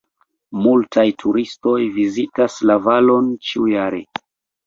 Multaj turistoj vizitas la valon ĉiujare.